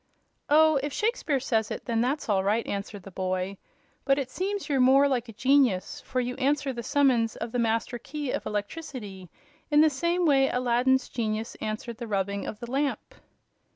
'" "Oh, if Shakespeare says it, that's all right," answered the boy. "But it seems you're more like a genius, for you answer the summons of the Master Key of Electricity in the same way Aladdin's genius answered the rubbing of the lamp."